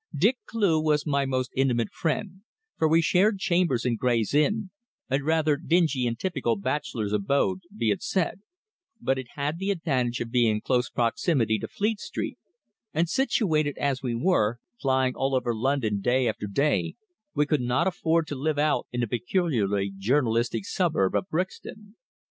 Dick Cleugh was my most intimate friend, for we shared chambers in Gray's Inn, a rather dingy and typical bachelor's abode, be it said; but it had the advantage of being in close proximity to Fleet Street, and situated as we were, flying all over London day after day, we could not afford to live out in the peculiarly journalistic suburb of Brixton.